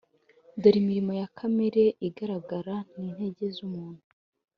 Dore imirimo ya kamere iragaragara ni ntege zumuntu